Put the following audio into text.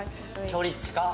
距離近っ！